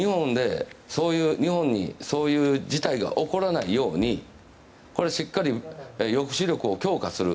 日本にそういう事態が起こらないようにしっかり抑止力を強化する。